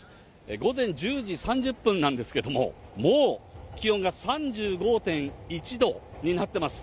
午前１０時３０分なんですけれども、もう気温が３５．１度になってます。